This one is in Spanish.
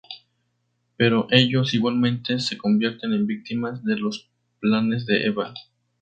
Pero ellos, igualmente, se convierten en víctimas de los planes de Eva.